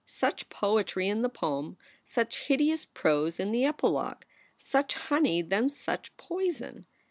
Such poetry in the proem, such hideous prose in the epilogue! Such honey, then such poison!